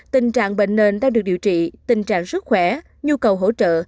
tình trạng bệnh nền đang được điều trị tình trạng sức khỏe nhu cầu hỗ trợ